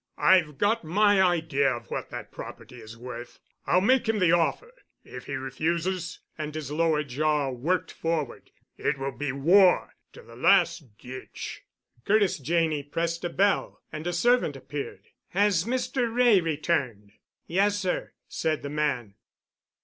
I've got my idea of what that property is worth. I'll make him the offer. If he refuses"—and his lower jaw worked forward—"it will be war—to the last ditch." Curtis Janney pressed a bell, and a servant appeared. "Has Mr. Wray returned?" "Yes, sir," said the man.